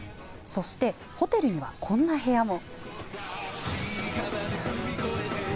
そしてホテルにはこんな部屋も。